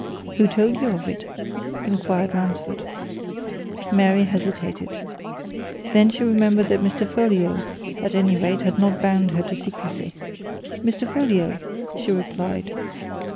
"Who told you of it?" inquired Ransford. Mary hesitated. Then she remembered that Mr. Folliot, at any rate, had not bound her to secrecy. "Mr. Folliot," she replied.